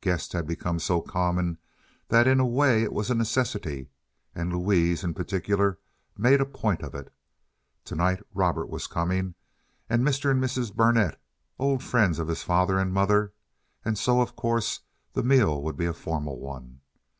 Guests had become so common that in a way it was a necessity, and Louise, in particular, made a point of it. To night Robert was coming, and a Mr. and Mrs. Burnett, old friends of his father and mother, and so, of course, the meal would be a formal one.